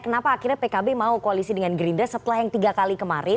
kenapa akhirnya pkb mau koalisi dengan gerindra setelah yang tiga kali kemarin